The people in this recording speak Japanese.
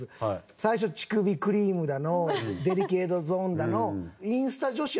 最初乳首クリームだのデリケートゾーンだの。